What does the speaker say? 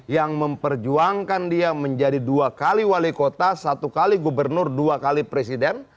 yang memperjuangkan dia menjadi dua kali wali kota satu kali gubernur dua kali presiden